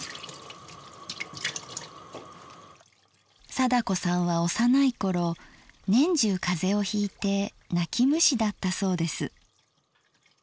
貞子さんは幼い頃年中風邪をひいて泣き虫だったそうです。